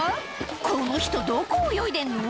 この人どこ泳いでんの？